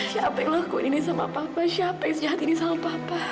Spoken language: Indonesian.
siapa yang lakuin ini sama papa siapa yang sehat ini sama papa